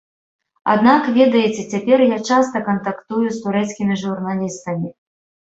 Аднак, ведаеце, цяпер я часта кантактую з турэцкімі журналістамі.